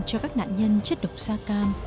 cho các nạn nhân chất độc da cam